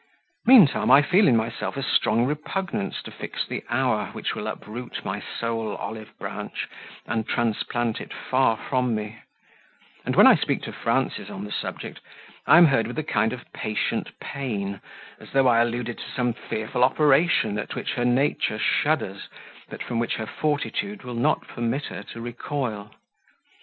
Meantime, I feel in myself a strong repugnance to fix the hour which will uproot my sole olive branch, and transplant it far from me; and, when I speak to Frances on the subject, I am heard with a kind of patient pain, as though I alluded to some fearful operation, at which her nature shudders, but from which her fortitude will not permit her to recoil.